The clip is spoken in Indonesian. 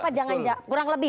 apa kurang lebih